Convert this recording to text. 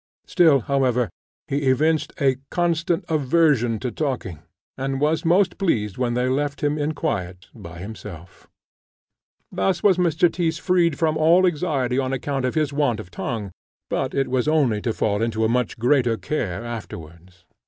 Still, however, he evinced a constant aversion to talking, and was most pleased when they left him in quiet by himself. Thus was Mr. Tyss freed from all anxiety on account of his want of tongue, but it was only to fall into a much greater care afterwards.